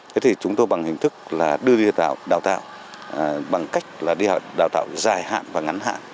thế thì chúng tôi bằng hình thức là đưa đi vào đào tạo bằng cách là đi đào tạo dài hạn và ngắn hạn